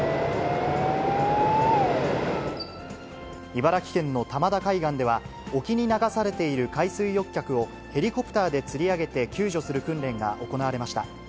茨城県の玉田海岸では、沖に流されている海水浴客を、ヘリコプターでつり上げて、救助する訓練が行われました。